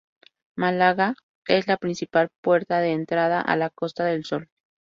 Málaga es la principal puerta de entrada a la Costa del Sol.